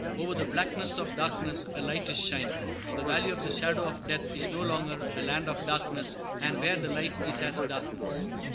Over the blackness of darkness a light is shining. The valley of the shadow of death is no longer "a land of darkness and where the light is as darkness."